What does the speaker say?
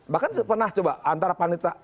bahkan pernah coba antara panitera